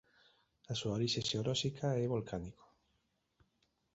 A súa orixe xeolóxica é volcánico.